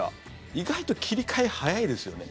意外と切り替え早いですよね。